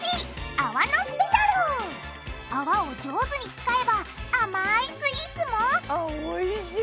あわを上手に使えばあまいスイーツもあっおいしい！